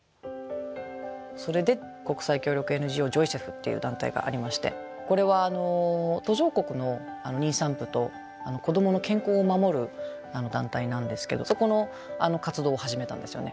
それで国際協力ＮＧＯジョイセフっていう団体がありましてこれは途上国の妊産婦と子どもの健康を守る団体なんですけどそこの活動を始めたんですよね。